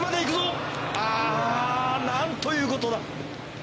何ということだ。